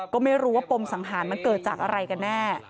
ก็ไม่รู้ว่าปมสังหารมันเกิดจากอะไรกันแน่